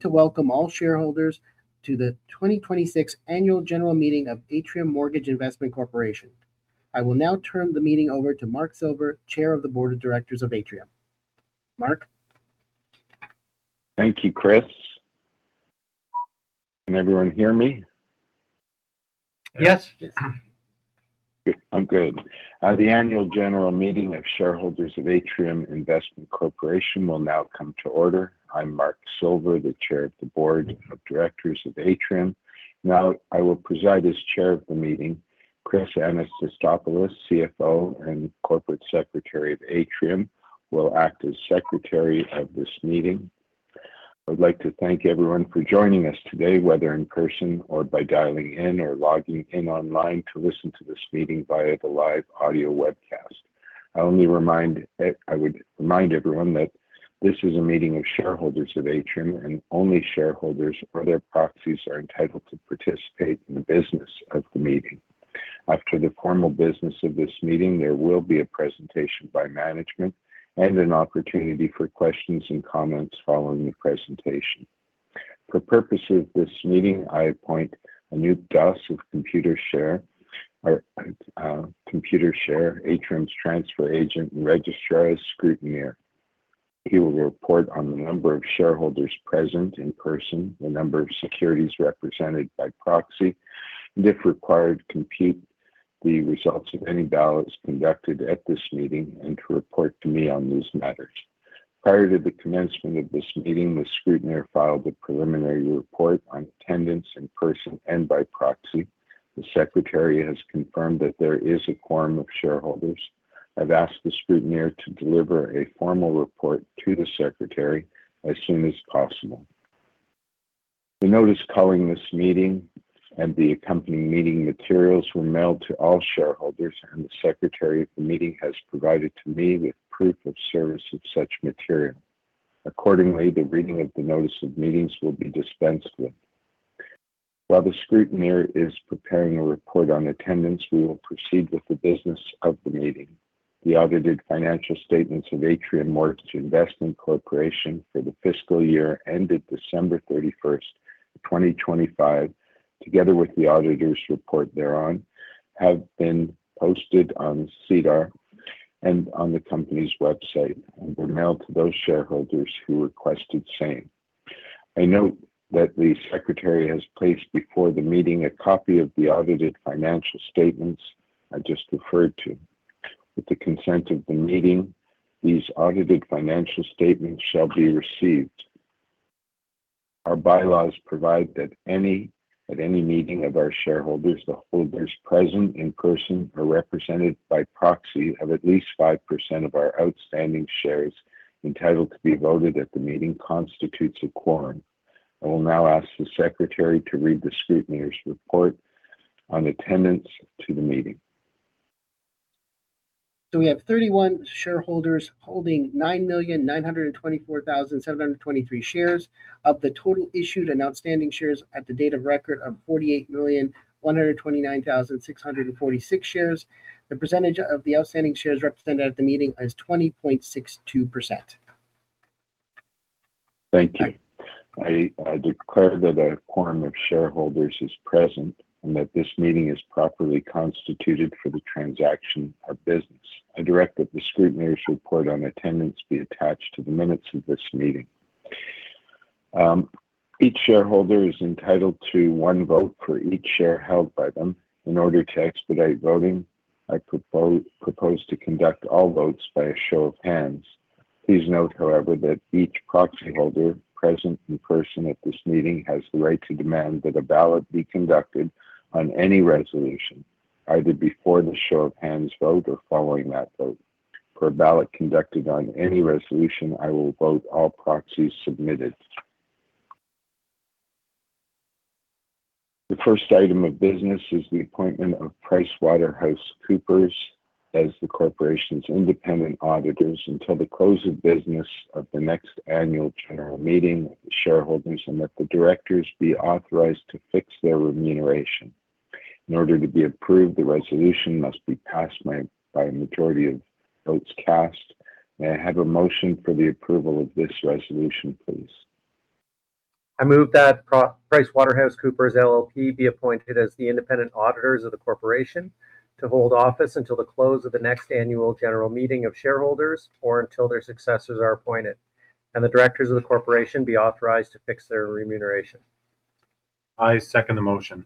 To welcome all shareholders to the 2026 annual general meeting of Atrium Mortgage Investment Corporation. I will now turn the meeting over to Mark Silver, Chair of the Board of Directors of Atrium. Mark? Thank you, Chris. Can everyone hear me? Yes. Good. I'm good. The annual general meeting of shareholders of Atrium Mortgage Investment Corporation will now come to order. I'm Mark Silver, the Chair of the Board of Directors of Atrium. I will preside as chair of the meeting. Chris Anastasopoulos, CFO and Corporate Secretary of Atrium, will act as secretary of this meeting. I would like to thank everyone for joining us today, whether in person or by dialing in or logging in online to listen to this meeting via the live audio webcast. I would remind everyone that this is a meeting of shareholders of Atrium, and only shareholders or their proxies are entitled to participate in the business of the meeting. After the formal business of this meeting, there will be a presentation by management and an opportunity for questions and comments following the presentation. For purposes of this meeting, I appoint Anup Das of Computershare, Atrium's transfer agent and registrar, as scrutineer. He will report on the number of shareholders present in person, the number of securities represented by proxy, and if required, compute the results of any ballots conducted at this meeting, and to report to me on these matters. Prior to the commencement of this meeting, the scrutineer filed a preliminary report on attendance in person and by proxy. The secretary has confirmed that there is a quorum of shareholders. I've asked the scrutineer to deliver a formal report to the secretary as soon as possible. The notice calling this meeting and the accompanying meeting materials were mailed to all shareholders, and the secretary of the meeting has provided to me with proof of service of such material. Accordingly, the reading of the notice of meetings will be dispensed with. While the scrutineer is preparing a report on attendance, we will proceed with the business of the meeting. The audited financial statements of Atrium Mortgage Investment Corporation for the fiscal year ended December 31st, 2025, together with the auditor's report thereon, have been posted on SEDAR and on the company's website and were mailed to those shareholders who requested same. I note that the secretary has placed before the meeting a copy of the audited financial statements I just referred to. With the consent of the meeting, these audited financial statements shall be received. Our bylaws provide that at any meeting of our shareholders, the holders present in person or represented by proxy of at least 5% of our outstanding shares entitled to be voted at the meeting constitutes a quorum. I will now ask the secretary to read the scrutineer's report on attendance to the meeting. We have 31 shareholders holding 9,924,723 shares of the total issued and outstanding shares at the date of record of 48,129,646 shares. The percentage of the outstanding shares represented at the meeting is 20.62%. Thank you. I declare that a quorum of shareholders is present and that this meeting is properly constituted for the transaction of business. I direct that the scrutineer's report on attendance be attached to the minutes of this meeting. Each shareholder is entitled to one vote for each share held by them. In order to expedite voting, I propose to conduct all votes by a show of hands. Please note, however, that each proxy holder present in person at this meeting has the right to demand that a ballot be conducted on any resolution, either before the show of hands vote or following that vote. For a ballot conducted on any resolution, I will vote all proxies submitted. The first item of business is the appointment of PricewaterhouseCoopers as the corporation's independent auditors until the close of business of the next annual general meeting of the shareholders, and that the directors be authorized to fix their remuneration. In order to be approved, the resolution must be passed by a majority of votes cast. May I have a motion for the approval of this resolution, please? I move that PricewaterhouseCoopers LLP be appointed as the independent auditors of the corporation to hold office until the close of the next annual general meeting of shareholders or until their successors are appointed, and the directors of the corporation be authorized to fix their remuneration. I second the motion.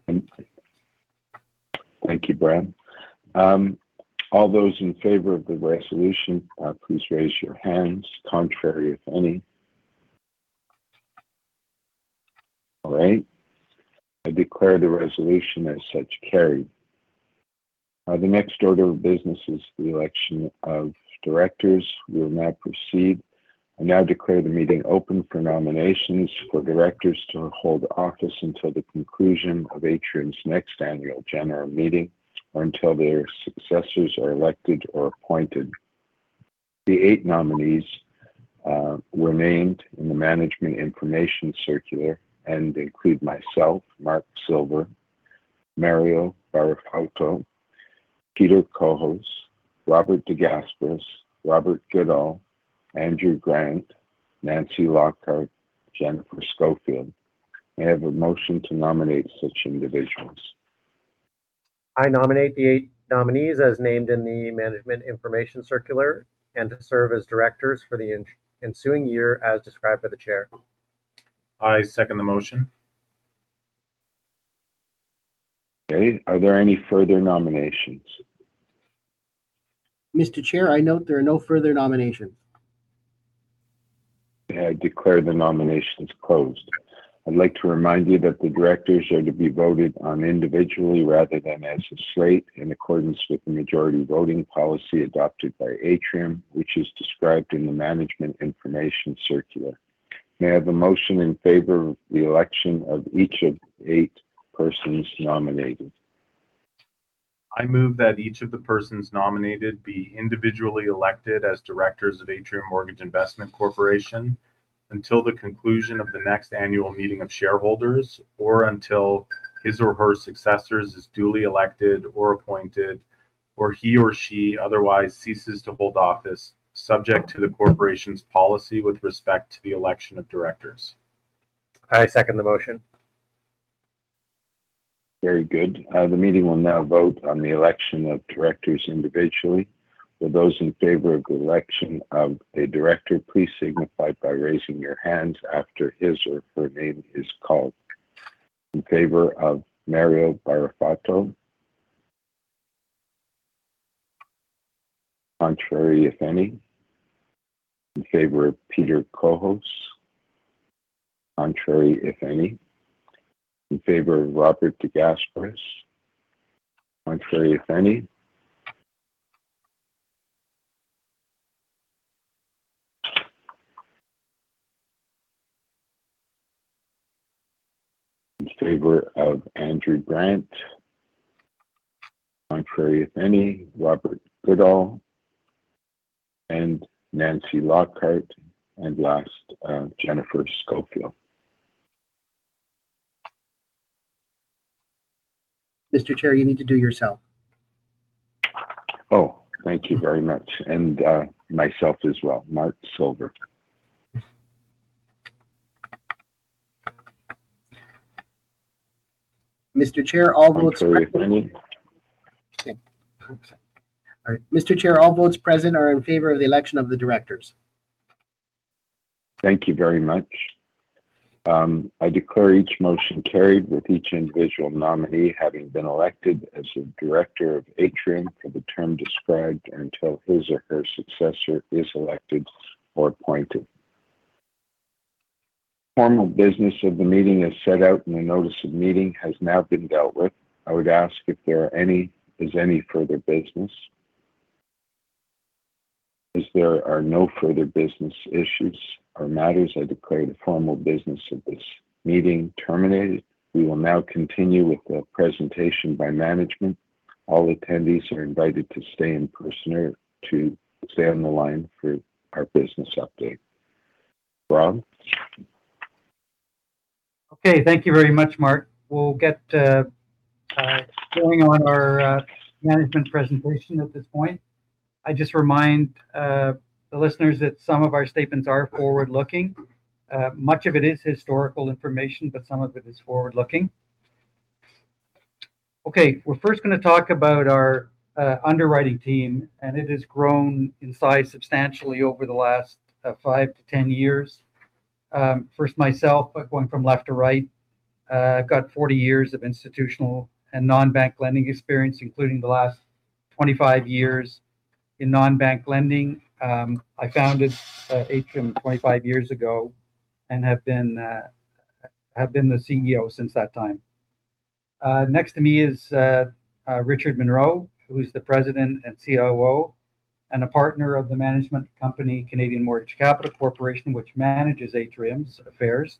Thank you. Thank you, Brian. All those in favor of the resolution, please raise your hands. Contrary, if any. All right. I declare the resolution as such carried. The next order of business is the election of directors. We will now proceed. I now declare the meeting open for nominations for directors to hold office until the conclusion of Atrium's next annual general meeting or until their successors are elected or appointed. The eight nominees were named in the management information circular and include myself, Mark Silver, Mario Barrafato, Peter Cohos, Robert DeGasperis, Robert Goodall, Andrew Grant, Nancy Lockhart, Jennifer Scoffield. May I have a motion to nominate such individuals? I nominate the 8 nominees as named in the management information circular and to serve as directors for the ensuing year as described by the chair. I second the motion. Okay, are there any further nominations? Mr. Chair, I note there are no further nominations. I declare the nominations closed. I'd like to remind you that the directors are to be voted on individually rather than as a slate in accordance with the majority voting policy adopted by Atrium, which is described in the management information circular. May I have a motion in favor of the election of each of the 8 persons nominated? I move that each of the persons nominated be individually elected as directors of Atrium Mortgage Investment Corporation until the conclusion of the next annual meeting of shareholders or until his or her successor is duly elected or appointed, or he or she otherwise ceases to hold office, subject to the corporation's policy with respect to the election of directors. I second the motion. Very good. The meeting will now vote on the election of directors individually. For those in favor of the election of a director, please signify by raising your hand after his or her name is called. In favor of Mario Barrafato. Contrary, if any. In favor of Peter Cohos. Contrary, if any. In favor of Robert DeGasperis. Contrary, if any. In favor of Andrew Grant. Contrary, if any. Robert Goodall. Nancy Lockhart. Last, Jennifer Scoffield. Mr. Chair, you need to do yourself. Oh, thank you very much. Myself as well, Mark Silver. Mr. Chair, all votes present. Contrary, if any. Okay. All right. Mr. Chair, all votes present are in favor of the election of the directors. Thank you very much. I declare each motion carried with each individual nominee having been elected as a director of Atrium for the term described until his or her successor is elected or appointed. Formal business of the meeting as set out in the notice of meeting has now been dealt with. I would ask if there is any further business. As there are no further business issues or matters, I declare the formal business of this meeting terminated. We will now continue with the presentation by management. All attendees are invited to stay in person or to stay on the line for our business update. Rob? Thank you very much, Mark. We'll get going on our management presentation at this point. I just remind the listeners that some of our statements are forward-looking. Much of it is historical information, some of it is forward-looking. We're first going to talk about our underwriting team, and it has grown in size substantially over the last 5-10 years. First myself, going from left to right. I've got 40 years of institutional and non-bank lending experience, including the last 25 years in non-bank lending. I founded Atrium 25 years ago and have been the CEO since that time. Next to me is Richard Munroe, who's the President and COO and a partner of the management company, Canadian Mortgage Capital Corporation, which manages Atrium's affairs.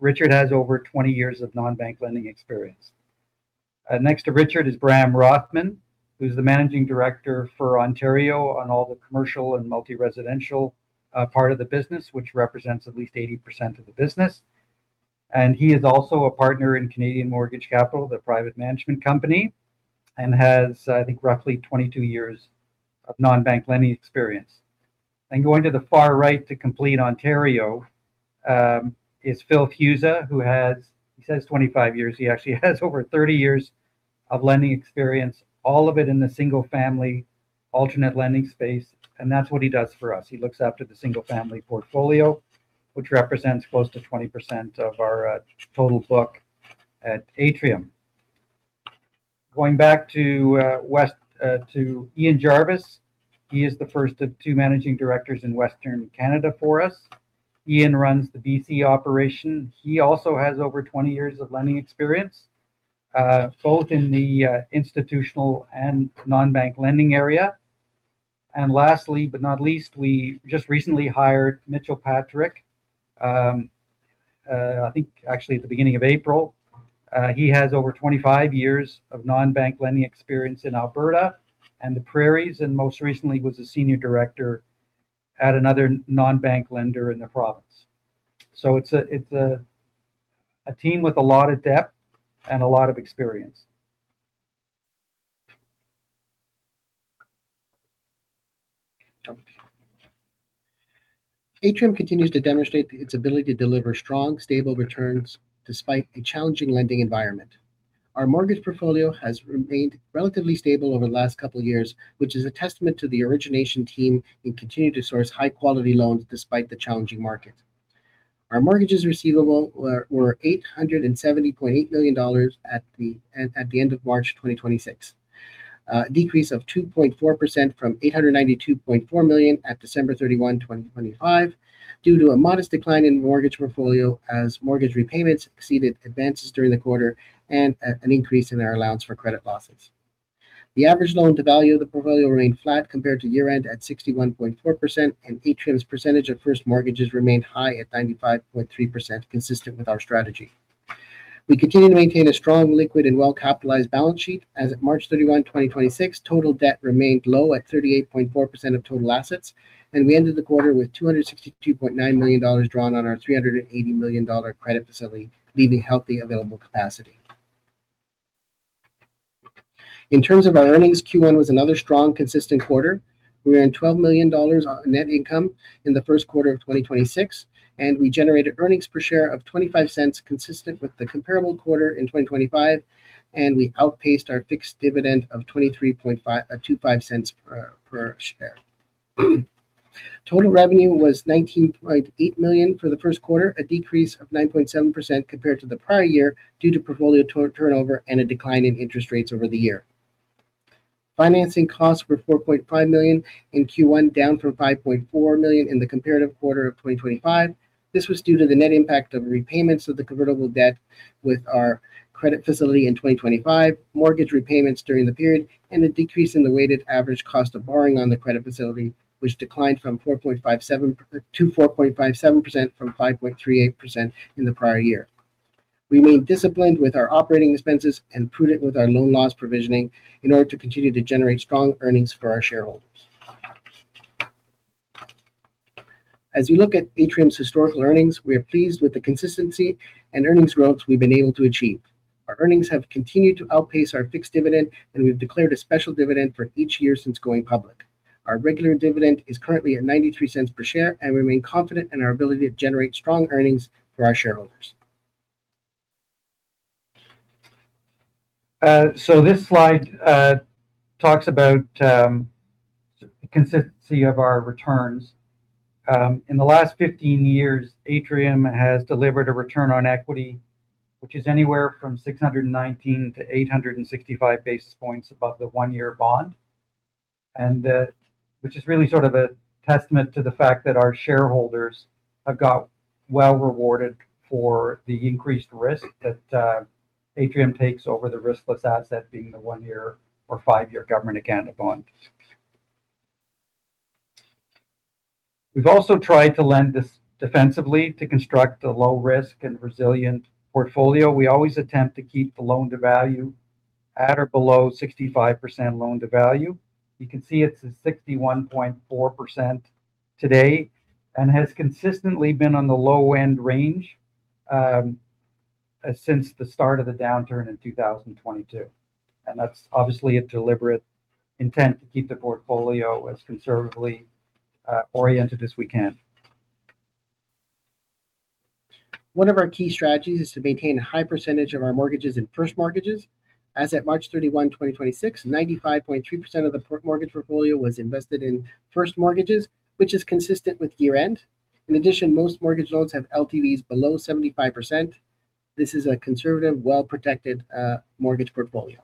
Richard has over 20 years of non-bank lending experience. Next to Richard is Bram Rothman, who's the Managing Director for Ontario on all the commercial and multi-residential part of the business, which represents at least 80% of the business. He is also a partner in Canadian Mortgage Capital, the private management company, and has, I think, roughly 22 years of non-bank lending experience. Going to the far right to complete Ontario is Phil Fiuza. He says 25 years. He actually has over 30 years of lending experience, all of it in the single-family alternate lending space, and that's what he does for us. He looks after the single-family portfolio, which represents close to 20% of our total book at Atrium. Going back to West, to Ian Jarvis, he is the first of two managing directors in Western Canada for us. Ian runs the BC operation. He also has over 20 years of lending experience, both in the institutional and non-bank lending area. Lastly but not least, we just recently hired Mitch Patrick, I think actually at the beginning of April. He has over 25 years of non-bank lending experience in Alberta and the Prairies, and most recently was a senior director at another non-bank lender in the province. It's a team with a lot of depth and a lot of experience. Atrium continues to demonstrate its ability to deliver strong, stable returns despite a challenging lending environment. Our mortgage portfolio has remained relatively stable over the last couple years, which is a testament to the origination team in continuing to source high-quality loans despite the challenging market. Our mortgages receivable were 870.8 million dollars at the end of March 2026. A decrease of 2.4% from 892.4 million at December 31, 2025, due to a modest decline in mortgage portfolio as mortgage repayments exceeded advances during the quarter and an increase in our allowance for credit losses. The average loan to value of the portfolio remained flat compared to year-end at 61.4%, and Atrium's percentage of first mortgages remained high at 95.3%, consistent with our strategy. We continue to maintain a strong, liquid, and well-capitalized balance sheet as at March 31, 2026, total debt remained low at 38.4% of total assets. We ended the quarter with 262.9 million dollars drawn on our 380 million dollar credit facility, leaving healthy available capacity. In terms of our earnings, Q1 was another strong, consistent quarter. We earned 12 million dollars on net income in the first quarter of 2026. We generated earnings per share of 0.25 consistent with the comparable quarter in 2025. We outpaced our fixed dividend of 0.23525 per share. Total revenue was 19.8 million for the first quarter, a decrease of 9.7% compared to the prior year due to portfolio turnover and a decline in interest rates over the year. Financing costs were 4.5 million in Q1, down from 5.4 million in the comparative quarter of 2025. This was due to the net impact of repayments of the convertible debt with our credit facility in 2025, mortgage repayments during the period, a decrease in the weighted average cost of borrowing on the credit facility, which declined from 4.57-4.57% from 5.38% in the prior year. We remain disciplined with our operating expenses and prudent with our loan loss provisioning in order to continue to generate strong earnings for our shareholders. As we look at Atrium's historical earnings, we are pleased with the consistency and earnings growth we've been able to achieve. Our earnings have continued to outpace our fixed dividend. We've declared a special dividend for each year since going public. Our regular dividend is currently at 0.93 per share. We remain confident in our ability to generate strong earnings for our shareholders. This slide talks about the consistency of our returns. In the last 15 years, Atrium has delivered a return on equity, which is anywhere from 619 basis point-865 basis points above the one-year bond, and which is really sort of a testament to the fact that our shareholders have got well-rewarded for the increased risk that Atrium takes over the riskless asset being the one-year or five-year Government of Canada bond. We've also tried to lend this defensively to construct a low-risk and resilient portfolio. We always attempt to keep the loan-to-value at or below 65% loan to value. You can see it's at 61.4% today and has consistently been on the low-end range since the start of the downturn in 2022. That's obviously a deliberate intent to keep the portfolio as conservatively oriented as we can. One of our key strategies is to maintain a high percentage of our mortgages in first mortgages. As at March 31, 2026, 95.3% of the mortgage portfolio was invested in first mortgages, which is consistent with year-end. In addition, most mortgage loans have LTVs below 75%. This is a conservative, well-protected mortgage portfolio.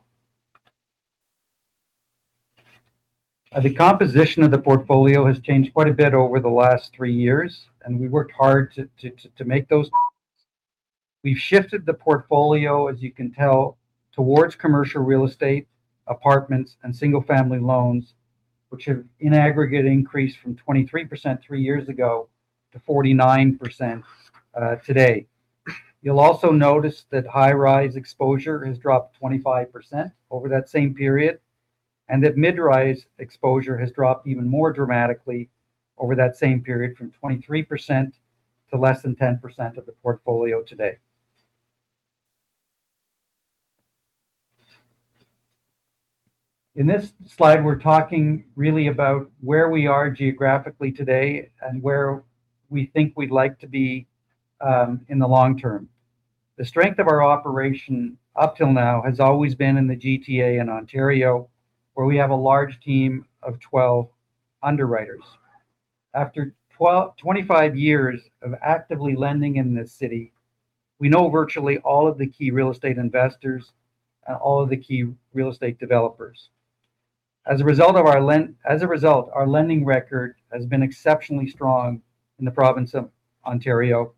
The composition of the portfolio has changed quite a bit over the last three years, and we worked hard to make those. We've shifted the portfolio, as you can tell, towards commercial real estate, apartments, and single-family loans, which have, in aggregate, increased from 23% three years ago to 49% today. You'll also notice that high-rise exposure has dropped 25% over that same period, and that mid-rise exposure has dropped even more dramatically over that same period from 23% to less than 10% of the portfolio today. In this slide, we're talking really about where we are geographically today and where we think we'd like to be in the long term. The strength of our operation up till now has always been in the GTA in Ontario, where we have a large team of 12 underwriters. After 25 years of actively lending in this city, we know virtually all of the key real estate investors and all of the key real estate developers. As a result, our lending record has been exceptionally strong in the province of Ontario,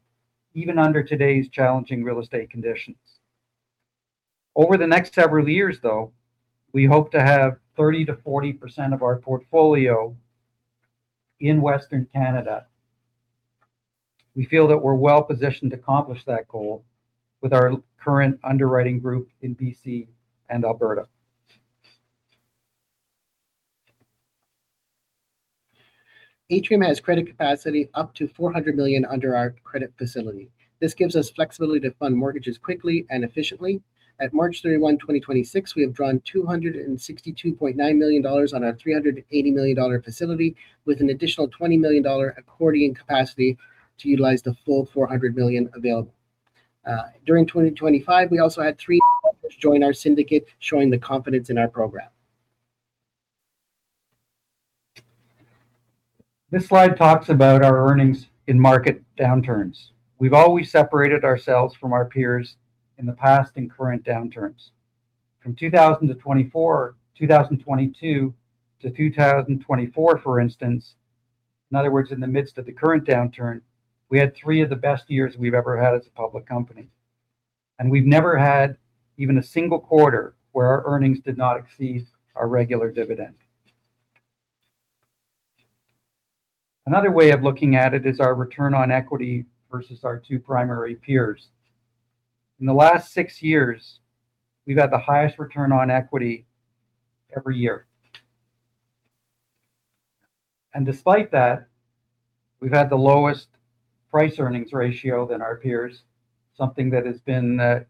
even under today's challenging real estate conditions. Over the next several years, though, we hope to have 30%-40% of our portfolio in Western Canada. We feel that we're well-positioned to accomplish that goal with our current underwriting group in B.C. and Alberta. Atrium has credit capacity up to 400 million under our credit facility. This gives us flexibility to fund mortgages quickly and efficiently. At March 31, 2026, we have drawn 262.9 million dollars on our 380 million dollar facility with an additional 20 million dollar accordion capacity to utilize the full 400 million available. During 2025, we also had three join our syndicate, showing the confidence in our program. This slide talks about our earnings in market downturns. We've always separated ourselves from our peers in the past and current downturns. From 2022 to 2024, for instance, in other words, in the midst of the current downturn, we had three of the best years we've ever had as a public company. We've never had even a one quarter where our earnings did not exceed our regular dividend. Another way of looking at it is our return on equity versus our two primary peers. In the last 6 years, we've had the highest return on equity every year. Despite that, we've had the lowest price earnings ratio than our peers, something that has been a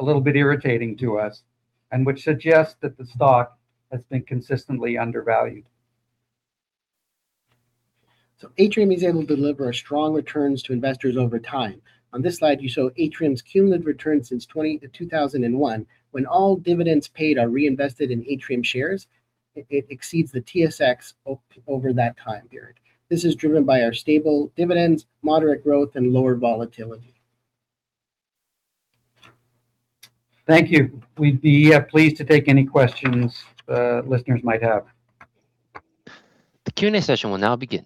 little bit irritating to us and which suggests that the stock has been consistently undervalued. Atrium is able to deliver strong returns to investors over time. On this slide, you saw Atrium's cumulative return since 2001. When all dividends paid are reinvested in Atrium shares, it exceeds the TSX over that time period. This is driven by our stable dividends, moderate growth, and lower volatility. Thank you. We'd be pleased to take any questions listeners might have. The Q&A session will now begin.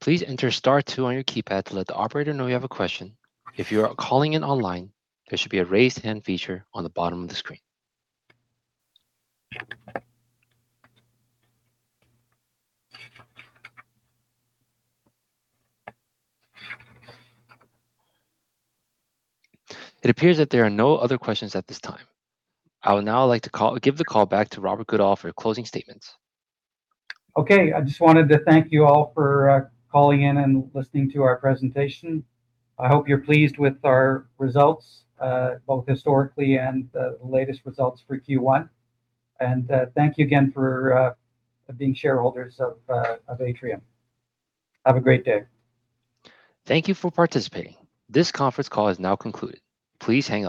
Please enter star two on your keypad to let the operator know you have a question. If you are calling in online, there should be a raise hand feature on the bottom of the screen. It appears that there are no other questions at this time. I would now like to give the call back to Robert Goodall for closing statements. Okay. I just wanted to thank you all for calling in and listening to our presentation. I hope you're pleased with our results, both historically and the latest results for Q1. Thank you again for being shareholders of Atrium. Have a great day. Thank you for participating. This conference call has now concluded. Please hang up.